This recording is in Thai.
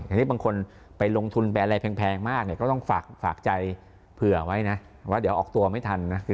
ทีนี้บางคนไปลงทุนไปอะไรแพงมากเนี่ยก็ต้องฝากใจเผื่อไว้นะว่าเดี๋ยวออกตัวไม่ทันนะ